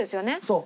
そう。